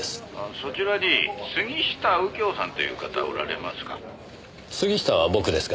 「そちらに杉下右京さんという方おられますか？」